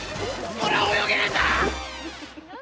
俺は泳げねえんだ！